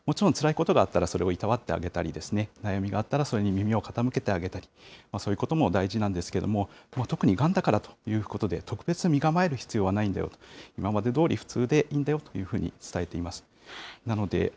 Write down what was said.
もちろんつらいことがあったら、それをいたわってあげたりですとか、悩みがあったら、それに耳を傾けてあげたり、そういうことも大事なんですけれども、でも特にがんだからということで、特別に身構えることはないんだよ、今までどおり、普通でいいんだよというふうに伝えています。